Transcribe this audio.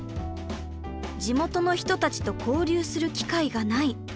地元の人たちと交流する機会がない。